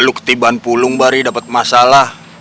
lo ketibaan pulung bari dapet masalah